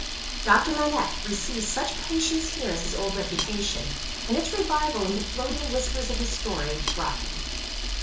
Doctor Manette received such patients here as his old reputation, and its revival in the floating whispers of his story, brought him.